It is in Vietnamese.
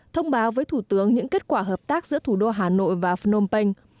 thông báo với thủ tướng những kết quả hợp tác giữa thủ đô hà nội và phnom penh